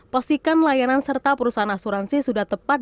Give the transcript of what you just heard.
pastikan layanan serta perusahaan asuransi sudah tepat